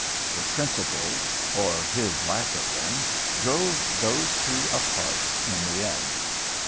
Her "principles," or his lack of them, drove those two apart in the end.